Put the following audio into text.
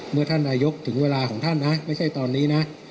เมื่อท่านนายกถึงเวลาของท่านนะไม่ใช่ตอนนี้นะ